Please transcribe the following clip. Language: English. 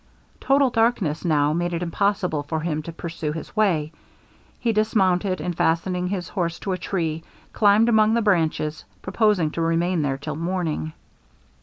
Total darkness now made it impossible for him to pursue his way. He dismounted, and fastening his horse to a tree, climbed among the branches, purposing to remain there till morning.